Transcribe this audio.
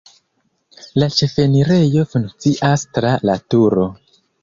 La ĉefenirejo funkcias tra la turo.